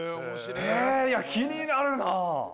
へぇ気になるな。